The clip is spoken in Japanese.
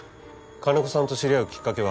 金子さんと知り合うきっかけは？